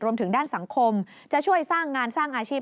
รวมถึงด้านสังคมจะช่วยสร้างงานสร้างอาชีพ